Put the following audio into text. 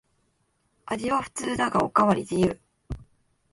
味は普通だがおかわり自由